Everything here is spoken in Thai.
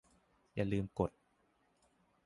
อย่าลืมกด